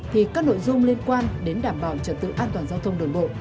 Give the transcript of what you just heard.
thì các nội dung liên quan đến đảm bảo trật tự an toàn giao thông đường bộ